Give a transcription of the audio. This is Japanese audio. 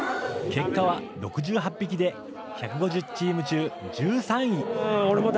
結果は６８匹で１５０チーム中１３位。